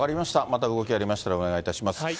また動きがありましたら、お願いいたします。